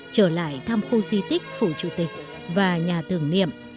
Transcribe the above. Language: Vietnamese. trở lại thăm khu di tích phủ chủ tịch và nhà tưởng niệm